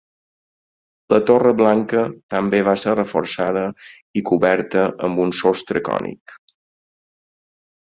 La torre blanca també va ser reforçada i coberta amb un sostre cònic.